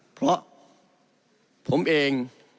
เพราะผมเอง